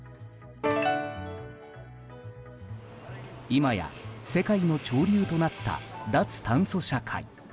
今や世界の潮流となった脱炭素社会。